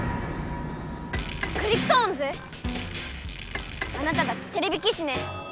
クリプトオンズ⁉あなたたちてれび騎士ね！